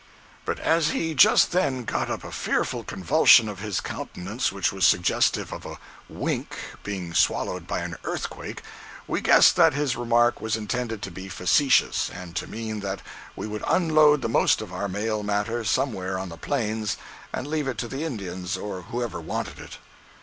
026.jpg (65K) But as he just then got up a fearful convulsion of his countenance which was suggestive of a wink being swallowed by an earthquake, we guessed that his remark was intended to be facetious, and to mean that we would unload the most of our mail matter somewhere on the Plains and leave it to the Indians, or whosoever wanted it.